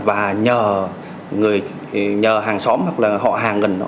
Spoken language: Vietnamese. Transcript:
và nhờ người nhờ hàng xóm hoặc là họ hàng gần đó